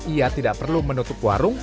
ia tidak perlu menutup warung